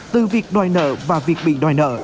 từ việc đòi nợ và việc bị đòi nợ